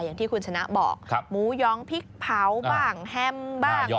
อย่างที่คุณชนะบอกหมูยองพริกเผาบ้างแฮมบ้าง